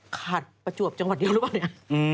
ประจวบจังหวัดเดียวหรือเปล่าเนี่ย